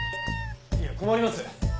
いや困ります！